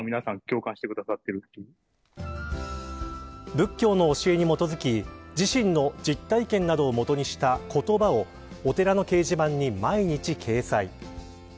仏教の教えに基づき自身の実体験などを元にした言葉をお寺の掲示板に毎日掲載。